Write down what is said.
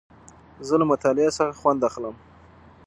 زه له مطالعې څخه خوند اخلم.